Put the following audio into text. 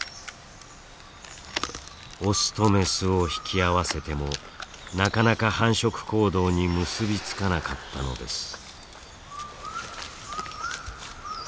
オスとメスを引き合わせてもなかなか繁殖行動に結び付かなかったのです。